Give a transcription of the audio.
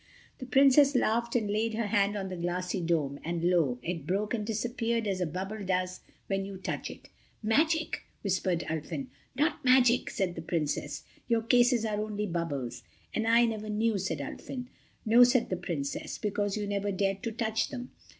The Princess laughed and laid her hand on the glassy dome, and lo! it broke and disappeared as a bubble does when you touch it. "Magic," whispered Ulfin. "Not magic," said the Princess. "Your cases are only bubbles." "And I never knew," said Ulfin. "No," said the Princess, "because you never dared to touch them."